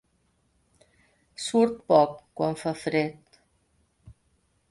Surt poc quan fa fred.